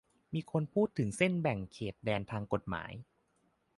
มีคนพูดถึงเส้นแบ่งเขตแดนทางกฎหมาย